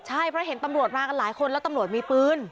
ใช่เพราะเห็นตำรวจมากันหลายคนแล้วตำรวจมีปืน